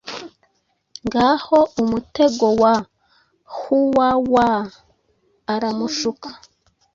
Ngahoumutego wa Huwawaaramushuka